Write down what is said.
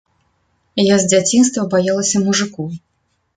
Я з дзяцінства баялася мужыкоў.